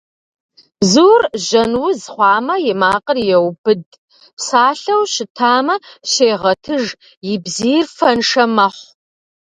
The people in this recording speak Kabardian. Бзур жьэн уз хъуамэ, и макъыр еубыд, псалъэу щытамэ, щегъэтыж, и бзийр фэншэ мэхъу.